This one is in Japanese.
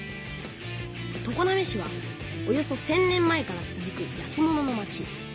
常滑市はおよそ１，０００年前から続く焼き物の町。